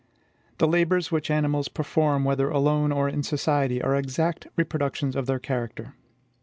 The labors which animals perform, whether alone or in society, are exact reproductions of their character.